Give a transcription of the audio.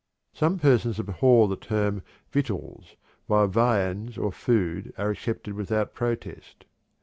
Some persons abhor the term "victuals," while "viands" or "food" are accepted without protest.